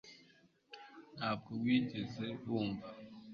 ntabwo wigeze wumva